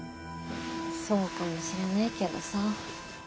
そうかもしれないけどさ。